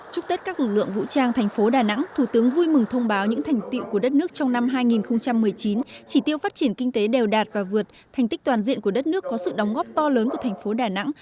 chúc tết các lực lượng vũ trang thành phố đà nẵng thủ tướng vui mừng thông báo những thành tiệu của đất nước trong năm hai nghìn một mươi chín chỉ tiêu phát triển kinh tế đều đạt và vượt thành tích toàn diện của đất nước có sự đóng góp to lớn của thành phố đà nẵng